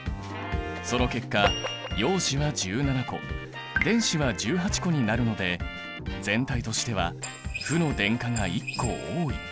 その結果陽子は１７個電子は１８個になるので全体としては負の電荷が１個多い。